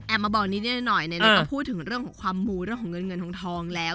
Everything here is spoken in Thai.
แอบมาบอกนิดหน่อยหน่อยอ่าในเรื่องของความมูลเรื่องของเงินเงินของทองแล้ว